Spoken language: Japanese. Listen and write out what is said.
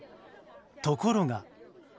ところが。